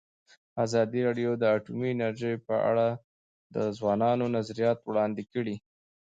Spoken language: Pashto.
ازادي راډیو د اټومي انرژي په اړه د ځوانانو نظریات وړاندې کړي.